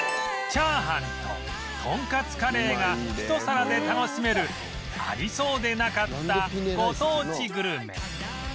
チャーハンとトンカツカレーがひと皿で楽しめるありそうでなかったご当地グルメ